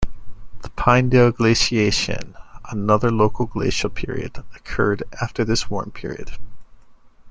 The Pinedale Glaciation, another local glacial period, occurred after this warm period.